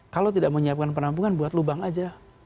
kalau tidak menyiapkan penampungan buat lubang saja